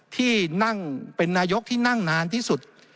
ที่นั่งเป็นนายกที่นั่งนานที่สุด